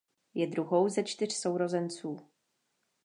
Je druhou ze čtyř sourozenců.